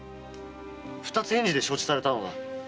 二つ返事で承知されたのだ。